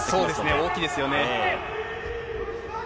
大きいですよね。